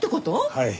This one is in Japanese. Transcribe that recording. はい。